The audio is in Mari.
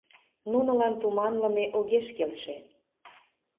Нунылан туманлыме огеш келше.